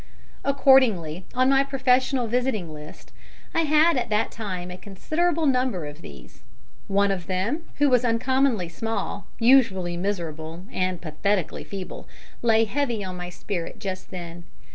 Accordingly, on my professional visiting list I had at that time a considerable number of these. One of them, who was uncommonly small, unusually miserable, and pathetically feeble, lay heavy on my spirit just then.